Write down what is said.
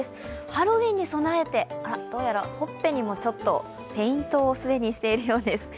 ハロウィーンに備えてどうやらほっぺにもペイントを既にしているようです。